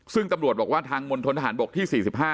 ซึ่งตำรวจบอกว่าทางมณฑนทหารบกที่๔๕